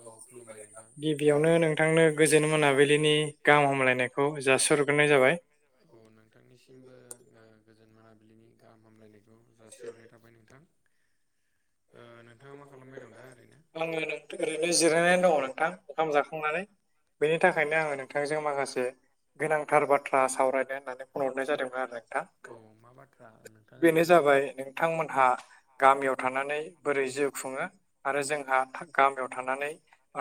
अ औ खुलुमबाय नोंथां ओ गोजोन मोनाबिलिनि गाहाम हामलायनायखौ जासिहरग्रोनाय जाबाय। औ नोंथांनिसिमबो ओ गोजोन मोनाबिलिनि गाहाम हामलायनायखौ जासिहरनाय थाबाय नोंथां। [inaudible] ओ नोंथाङा मा खालामबाय दं दा ओरैनो? आङो नों ओरैनो जिरायनानै दङ नोंथां ओंखाम जाखांनानै। बेनि थाखायनो आङो नोंथांजों माखासे गोनांथार बाथ्रा सावरायनो होननानै फन हरनाय जादोंमोन आरो नोंथां। बेनो जाबाय नों थांमोनहा गामियाव थानानै बोरै जिउ खुङो आरो जोंहा फाग गामियाव थानानै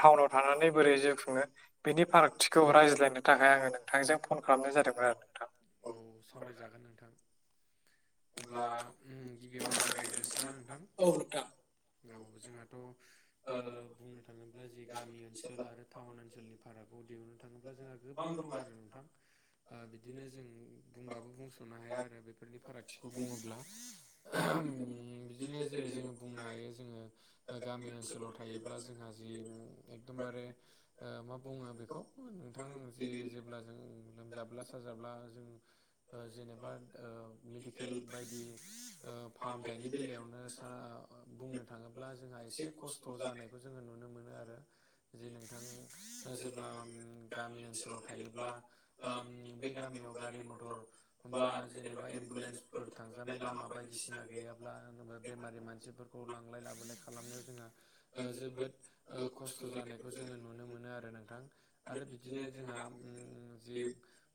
टाउनाव थानानै बोरै जिउ खुङो बेनि फारागथिखौ रायज्लायनो थाखाय आङो नोंथांजों फन खालामनाय जादोंमोन आरो नोंथां औ सावराय जागोन नोंथां अब्ला ओम गिबियाव आं जागाय ग्रोनोसैना नोंथां औ औ नोंथां याव जोंहाथ' ओ बुंनो थाङोब्ला जि गामि ओनसोल आरो टाउन ओनसोलनि भाराखौ दिहुननो थाङोब्ला जोंहा गोबां दं आरो नोंथां बिदिनो जों बुंबाबो बुंस'नो हाया आरो बेफोरनि फाराग थिखौ बुङोब्ला ओहोम बिदिनो जेरै जोङो बुंनो हायो जोङो ओ गामि ओनसोलाव थायोब्ला जोंआ जि ओम एकदमबारे ओ मा बुङो बेखौ नोंथां जे जेब्ला जों लोमजाब्ला साजाब्ला जों ओ जेनेबा ओम मिदिके केल बायदि ओ फाहामथायनि बेलायावनो सा आ आ बुंनो थाङोब्ला जोंहा एसे खस थ जानायखौ जोङो नुनो मोनो आरो जे नोंथां जेब्ला ओम गामि ओनसोलाव थायोब्ला ओम बै गामियाव गारि मथर बा जेनेबा एम्बुलेन्स फोर थांजानाय लामा बायदिसिना गैयाब्ला बेमारि मानसिफोरखौ लांलाय लाबोलाय खालामनो जोंआ ओ जोबोद ओ खस्थ' जानायखौ जोङो नुनो मोनो आरो नोंथां आरो बिदिनो जोंहा ओम जिब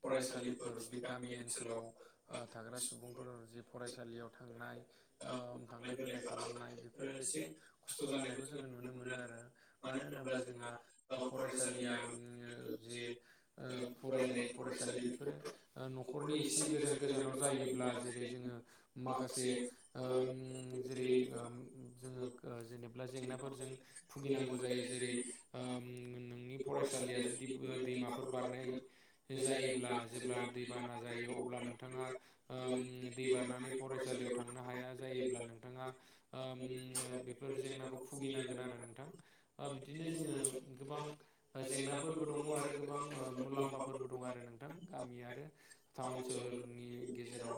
फरायसालि फोर बे गामि ओनसोलाव ओ थाग्रा सुबुंफोर जि फरायसालियाव थांनाय ओम थांलाय फैलाय खालामनाय बेफोरो एसे खस्थ' जानायखौ जोङो नुनो मोनो आरो मानो होनोब्ला जोंहा ओ फरायसालिया ओम जे ओ फरायनाय फरायसालि बेफोरो ओ न'खर नि इसे गोजान गोजानाव जायोब्ला माखासे ओम जेरै ओम जोङो जेनोबा जेंनाफोरजों भुगिनांगौ जायो जेरै ओम नोंनि फरायसालिया जुदि दैमाफोर बारनाय जायोब्ला जेब्ला दै बाना जायो अब्ला नोंथाङा ओम दै बारनानै फरायसालियाव थांनो हाया जायोब्ला नोंथाङा ओम बेफोर जेंनाखौ भुगिनांगोन आरो नोंथां ओ बिदिनो जोङो गोबां जेंनाफोरबो दङ आरो गोबां मुलाम्फाफोरबो दङ आरो नोंथां गामि आरो टाउन सोहोरनि गेजेराव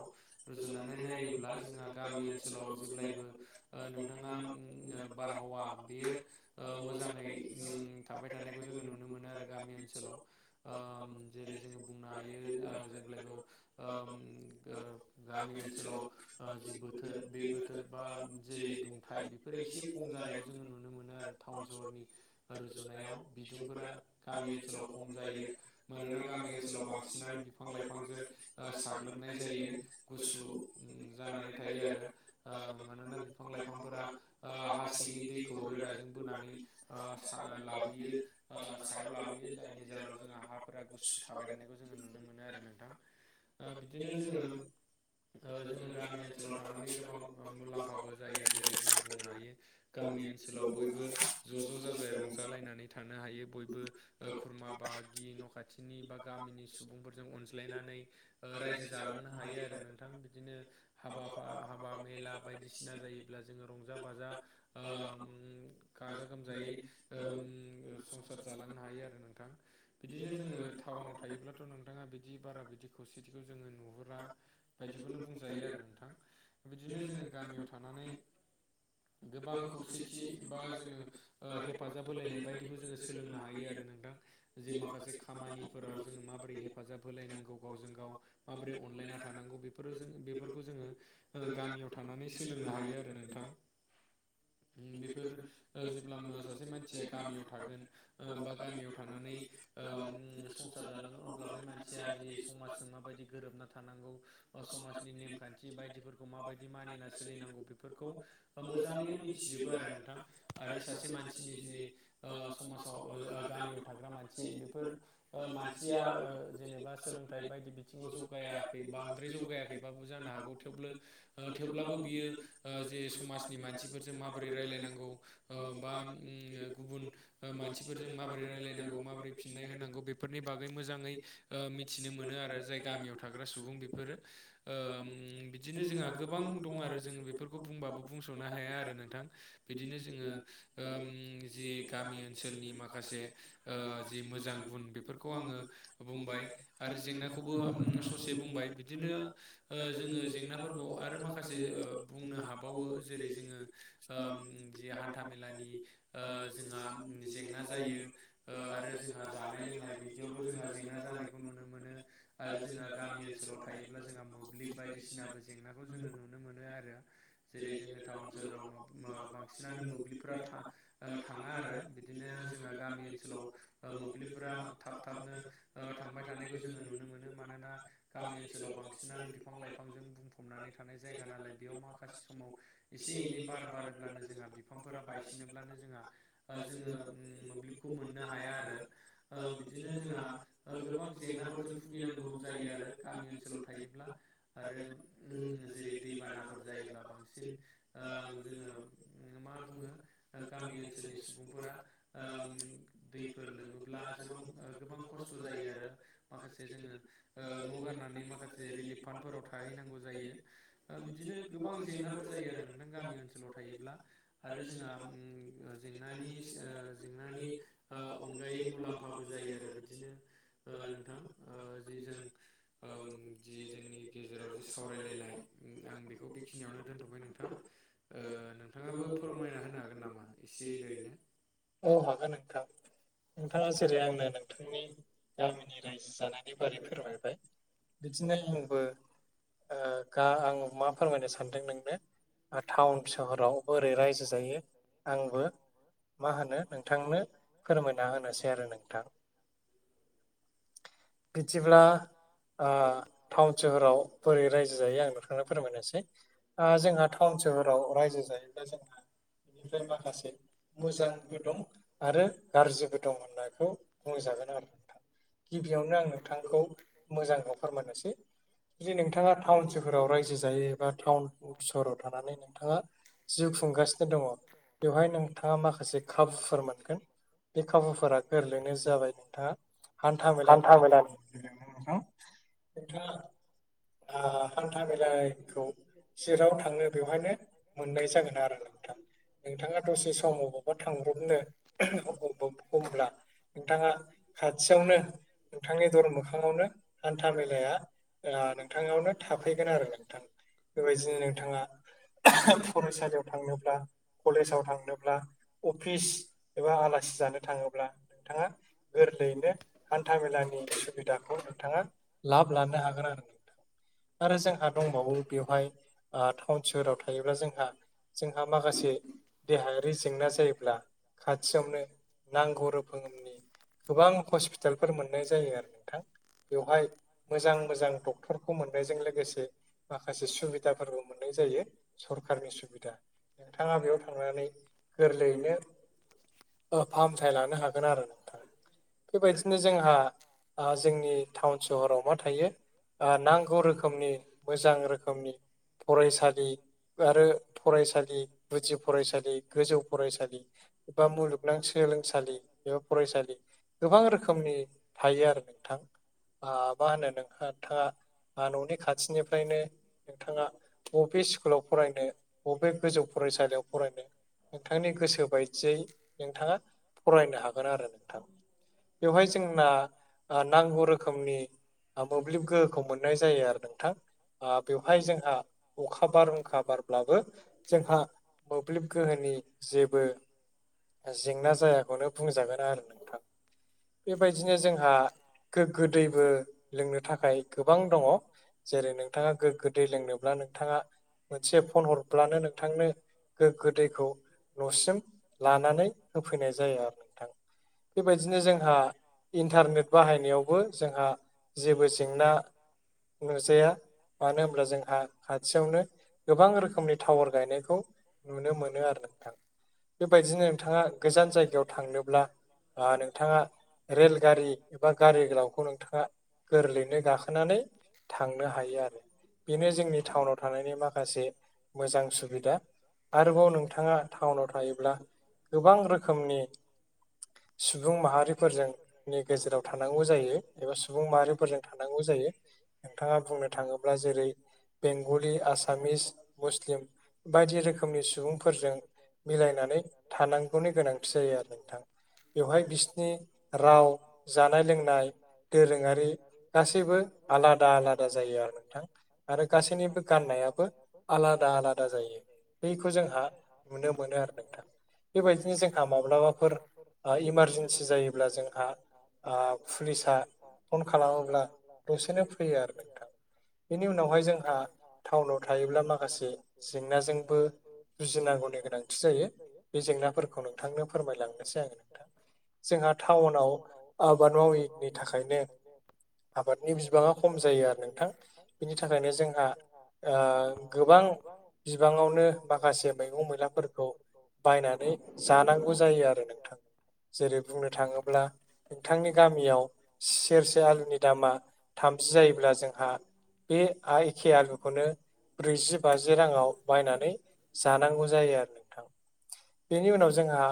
रुजुनानै नायोब्ला जोंहा गामि ओनसोलाव जेब्लायबो नोंथाङा बारहावा बेयो ओ मोजाङै थाबाय थानायखौ जोङो नुनो मोनो आरो गामि ओनसोलाव ओम जेरै जोङो बुंनो हायो ओ जेब्लायबो ओम गो गामि ओनसोलाव ओ जि बोथोर बे बोथोर बा जेरै दुंथाइ बेफोरो एसे खम जानायखौ जोङो नुनो मोनो आरो थाउन सहरनि रुजुनायाव बिदुंफोरा गामि ओनसोलाव खम जायो मानोना गामि ओनसोल ओनसोलाव बांसिनानो बिफां लाइफांजों ओ साग्लोबनाय जायो गुसु जानानै थायो आरो ओ मानोना बिफां लाइफांफोरा ओ हा सिंनि दैखौ रोदाजों बोनानै ओ सा लाबोयो ओ सायाव लाबोयो जायनि जाहोनाव जोंहा हाफोरा गुसु थाबाय थानायखौ जोङो नुनो मोनो आरो नोंथां ओ बिदिनो जोङो ओ जोङो गामि ओनसोलाव थांनानै गोबां ओ मुलाम्फाबो जायो जेरै जोङो बुंनो हायो गामि ओनसोलाव बयबो ज' ज' जाजाय रंजालायनानै थानो हायो बयबो ओ खुरमा बाहागि न' खाथिनि बा गामिनि सुबुंफोरजों अनज्लायनानै ओ रायजो जालांनो हायो आरो नों थां बिदिनो हाबाफा हाबा मेला बायदिसिना जायोब्ला जोङो रंजा बाजा आ उम गाजा गोमजायै उम संसार जालांनो हायो आरो नोंथां बिदिनो जोङो टाउनाव थायोब्लाथ' नोंथाङा बिदि बारा बिदि खौसेथिखौ जोङो नुहुरा बि बायदिखौनो बुंजायो आरो नोंथां बिदिनो जोङो गामियाव थानानै गोबां खौसेथि बा जोङो ओ हेफाजाब होलायनाय बायदिबो जोङो सोलोंनो हायो आरो नोंथां जे माखासे खामानिफोराव जों माबोरै हेफाजाब होलायनांगौ गावजों गाव माबोरै अनलायना थानांगौ बेफोरो जों बेफोरखौ जोङो ओ गामियाव थानानै सोलोंनो हायो आरो नोंथां उम बेफोर ओ जेब्ला मो सासे मानसिया गामियाव थागोन ओ बा गामियाव थानानै ओ उम संसार जालाङो अब्ला बै मानसिया जि समाजजों माबायदि गोरोबना थानांगौ ओ समाजनि नेमखान्थि बायदिफोरखौ माबायदि मानिना सोलिनांगौ बेफोरखौ बा मोजाङैनो मिथिजोबो आरो नोंथां आरो सासे मानसिनि जि ओ समाजाव ओ गामियाव थाग्रा मानसि बेफोर ओ मानसिया ओ जेनेबा सोलोंथाइ बायदि बिथिङाव जौगायाखै बांद्राय जौगायाखैबाबो जानो हागौ थेवब्लो ओ थेवब्लाबो बियो ओ जे समाजनि मानसिफोरजों माबोरै रायलायनांगौ ओ बा उम गुबुन ओ मानसिफोरजों माबोरै रायलायनांगौ माबोरै फिननाय होनांगौ बेफोरनि बागै मोजाङै ओ मिथिनो मोनो आरो जाय गामियाव थाग्रा सुबुं बे फोरो ओ उम बिदिनो जोंहा गोबां दं आरो जों बेफोर खौ बुंबाबो बुंस'नो हाया आरो नोंथां बिदिनो जोङो ओम जि गामि ओनसोलनि माखासे ओ जि मोजां गुन बेफोरखौ आङो बुंबाय आरो जेंनाखौबो ओ उम ससे बुंबाय बिदि बिदिनो ओ जोङो जेंनाफोरखौ आरो माखासे ओ बुंनो हाबावो जेरै जोङो ओम जि हान्था मेलानि ओ जोंहा जेंना जायो ओ आरो जोंहा जानाय लोंनाय बिदि बिदियावबो जोंहा जेंना जानायखौ नुनो मोनो आरो जोंहा गामि ओनसोलाव थायोब्ला जोंहा मोब्लिब बायदिसिनाबो जेंनाखौ जोङो नुनो मोनो आरो जेरै जोङो टाउन सोहोराव माब माबा बांसिनानो मोब्लिबफोरा था ओ थाङा आरो बिदिनो जोंहा गामि ओनसोलाव ओ मोब्लिबफोरा थाब थाबनो ओ थांबाय थानायखौ जोङो नुनो मोनो मानोना गामि ओनसोलाव ओनसोलाव बांसिनानो बिफां लाइफांजों बुंफबनानै थानाय जायगा नालाय बेयाव माखासे समाव एसे एनै बार बारोब्लानो जोंहा बिफांफोरा बायसिनोब्लानो जोंहा ओ जोङो मोब्लिब खौ मोननो हाया आरो ओ बिदिनो जोंहा ओ गोबां जेंनाफोरजों भुगिनांगौ जायो आरो गामि ओनसोल थायोब्ला आरो उम जेरै दैबानाफोर जायोब्ला बांसिन ओम जोङो मा बुङो गामि ओन ओनसोलनि सुबुंफोरा ओम दैफोर लोमोब्ला जोबां गोबां खस्थ' जायो आरो माखासे जोङो। ओ न' गारनानै मा जे रिलिफ फान्डफोराव थाहैनांगौ जायो दा बिदिनो गोबां जेंनाफोर जायो आरो नों गामि ओनसोलाव थायोब्ला आरो जोंहा ओम जेंनानि ओ जेंनानि ओ अनगायै मुलाम फाबो जायो आरो बिदिनो ओ नोंथां ओ जि जों ओम जि जोंनि गेजेराव जि सावरायलायनाय आं बेखौ बेखिनियावनो दोनथ'बाय नोंथां। ओं नोंथाङाबो फोरमायना होनो हागोन नामा एसे ओरैनो। अ हागोन नोंथां नोंथाङा जेरै आंनो नोंथांनि गामिनि रायजो जानाय नि बारै फोरमायबाय बिदिनो आंबो ओ गा आङो मा फोरमायनो सानदों नोंनो ओ टाउन सहराव बोरै रायजो जायो आंबो मा होनो नोंथांनो फोरमायना होनोसै आरो नोंथां। बिदिब्ला आ टाउन सोहोराव बोरै रायजो जायो आं [unintelligible] फोरमायनोसै। ओ जोंहा टाउन सोहोराव रायजो जायोबा जोंहा बिनिफ्राय माखासे। मोजांबो दं आरो गाज्रिबो दं होननायखौ बुंजागोन आरो। गिबियावनो आं नोंथांखौ मोजाङाव फोरमायनोसै जे नोंथाङा टाउन सोहोराव रायजो जायो एबा टाउन हु सहराव थानानै नोंथाङा जिउ खुंगासिनो दङ। बेवहाय नोंथाङा माखासे खाबुफोर मोनगोन। बे खाबुफोरा गोरलैनो जाबाय नोंथाङा हान्था मेलानि। [inaudible] [unintelligible] हान्था मेलाखौ जेराव थांनो बेवहायनो मोननाय जागोन आरो नोंथां। नोंथाङा दसे सम अबावबा थांब्रबनो [unintelligible] होमब्ला। नोंथाङा खाथियावनो नोंथांनि दर मोखाङावनो हान्था मेलाया [unintelligible] नोंथांनावनो थाफैगोन आरो नोंथां। बेबायदिनो नोंथाङा [unintelligible] फरायसालियाव थांनोब्ला। कलेजाव थांनोब्ला अफिस एबा आलासि जानो थाङोब्ला नोंथाङा। गोरलैनो हान्था मेलानि सुबिदाखौ नोंथाङा लाब लानो हागोन आरो नो आरो जोंहा दंबावो बेवहाय ओ टाउन सोहोराव थायोब्ला जोंहा। जोंहा माखासे देहायारि जेंना जायोब्ला खाथियावनो नांगौ रोखोमनि गोबां हसपि टालफोर मोननाय जायो आरो नोंथां बेवहाय मोजां मोजां डक्टरखौ मोननायजों लोगोसे माखासे सुबिदाफोरबो मोननाय जायो सरखारनि सुबिदा नोंथाङा बेयाव थांनानै गोरलैयैनो अ फाहामथाय लानो हागोन आरो नोंथां बेबादि ने जोंहा ओ जोंनि टाउन सोहोराव मा थायो ओ नांगौ रोखोमनि मोजां रोखोमनि फरायसालि आरो फरायसालि गुदि फरायसालि गोजौ फरायसालि। एबा मुलुगनां सोलोंसालि एबा फरायसालि गोबां रोखोमनि। थायो आरो नोंथां। आ मा होनो नोंथाङा न'नि खाथिनिफ्रायनो नोंथांङा बबे स्कुलाव फरायनो बबे गोजौफारायसालियाव फरायनो। नोंथांनि गोसो बायदियै नोंथांङा फरायनो हागोन आरो नोंथां। बेवहाय जोंना आ नांगौ रोखोमनि। औ मोब्लिब गोहोखौमोननाय जायो आरो नोंथां। आ बेवहाय जोंहा अखा बारहुंखा बारब्लाबो। जोंहा मोब्लिब गोहोनि। जेबो जेंना जायाखौनो बुंजागोन आरो। बेबायदिनो जोंहा गोगो दैबो लोंनो थाखाय गोबां दङ। जेरै नोंथांङा गोगो दै लोंनोब्ला नोंथांङा मोनसे फन हरब्लानो नोंथांनो गोगो दैखौ न'सिम लानानै होफैनाय जायो आरो नोंथां। बेबायदिनो जोंहा। इंटरनेट बाहायनायावबो जोंहा जेबो जेंना नुजाया मानो होनब्ला जोंहा खाथियावनो। गोबां रोखोमनि टावार गायनायखौ नुनो मोनो आरो नोंथां। बेबायदिनो नोंथांङा गोजान जायगायाव थांनोब्ला ओ नोंथाङा रेलगारि एबा गारि गोलावखौ नोंथांङा गोरलैयैनो गाखोनानै थांनो हायो आरो। बेनो जोंनि टाउनाव थानायनि माखासे मोजां सुबिदा। आरोबाव नोंथांङा टाउनाव थायोब्ला। गोबां रोखोमनि सुबुं माहारिफोरजों नि गेजेराव थानांगौ जायो एबा सुबुं माहारिफोरजों थानांगौ जायो। नोंथांङा बुंनो थाङोब्लाजेरै बेंगलि आसामिस मुस्लिम। बायदि रोखोमनि सुबुंफोरजों मिलायनानै थानांगौनि गोनांथि जायो आरो नोंथां। बेवहाय बिसिनि। राव जानाय लोंनाय दोरोङारि गासैबो आलादा आलादा जायो आरो नोंथां। आरो गासैनिबो गाननायाबो आलादा आलादा जायो। बेखौ जोंहा नुनो मोनो आरो नोंथां। बेबायदिनो जोंहा माब्लाबाफोर ओ ऐमारजेनसिजायो अब्ला जोंहा आ पुलिसा फन खालामोब्ला दसेनो फैयो आरो नोंथां। बेनि उनावहाय जोंहा टाउनाव थायोब्ला माखासे जेंनाजोंबो जुजिनांगौनि गोनांथि जायो बे जेंनाफोरखौ नोंथांनो फोरमायलांनोसै आंङो। जोंहा। जोंहा टाउनाव आबाद मावयिफोनि थाखायनो। आबादनि बिबाङा खम जायो आरो नोंथां बिनि थाखायनो जोंहा ओ गोबां बिबांआवनो माखासे मैगं मैला फोरखौ बायनानै जानांगौ जायो आरो नोंथां। जेरै बुंनो थांङोब्ला। नोंथांनि गामियाव सेरसे आलुनि दामा थामजि जायोब्ला जोंहा बे आ एखे आलुखौनो ब्रैजि बाजि रांङाव बायनानै जानांगौ जायो आरो नोंथां। बेनि उनाव जोंहा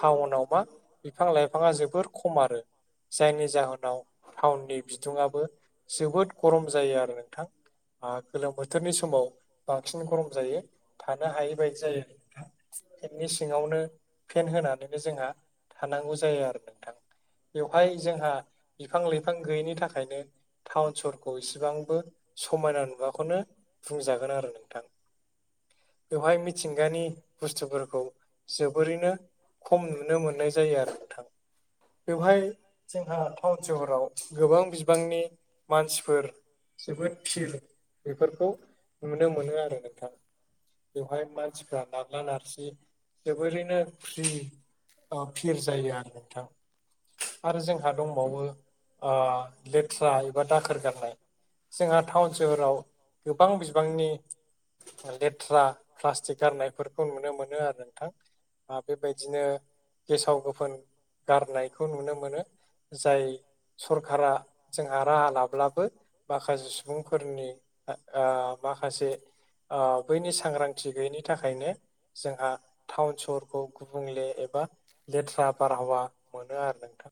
टाउनाव मा बिफां लाइफाङा जोबोर खम आरो। जायनि जाहोनाव टावउननि बिदुुंआबो जोबोद गरम जायो आरो नोंथां। आ गोलोम बोथोरनि समाव बांसिन गरम जायो थानो हायै बायदि जायो आरो नोंथां। फेननि सिङावनो फेन होनानैनो जोंहा थानांगौ जायो आरो नोंथां। बेवहाय जोंहा बिफां लाइफां गैयिनि थाखायनो टाउन सहरखौ इसिबांबो समायना नुवाखौनो बुंजागोन आरो नोंथां। बेवहाय मिथिंगानि बुस्थुफोरखौ जोबोरैनो खम नुनो मोननाय जायो आरो नोंथां। बेवहाय जोंहा टाउन सहराव गोबां बिबांनि मानसिफोर जोबोद भिर बेफोरखौ नुनो मोनो आरो नोंथां। बेवहाय मानसिफ्रा नारला नारसि जोबोरैनो फ्रि अ फिर जायो आरो नोंथां। आरो जोंहा दंबावो ओ लेथ्रा एबा दाखोर गारनाय। जोंहा टाउन सोहोराव गोबां बिबांनि लेथ्रा प्लास्टिक गारनायफोरखौ नुनो मोनो आरो नोंथां। ओ बेबायदिनो गेसाव गोफोन गारनायखौ नुनो मोनो जाय सरखारा जोंहा राहा लाब्लाबो माखासे सुबुंफोरनि ओ माखासे ओ बैनि सांग्रांथि गैयैनि थाखायनो जोंहा टाउन सहरखौ गुबुंले एबा लेथ्रा बारहावा मोनो आरो नोंथां।